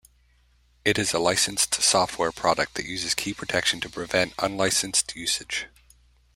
It is a licensed software product that uses key protection to prevent unlicensed usage.